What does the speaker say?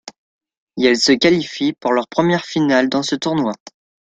Et elles se qualifient pour leur première finale dans ce tournoi.